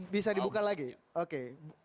bisa dibuka lagi oke